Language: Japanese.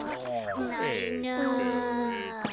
ないな。